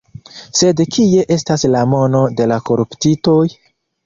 Sed kie estas la mono de la koruptitoj?